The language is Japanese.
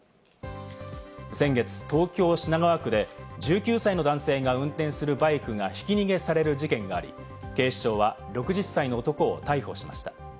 先月、東京・品川区で１９歳の男性が運転するバイクがひき逃げされる事件があり、警視庁は６０歳の男を逮捕しました。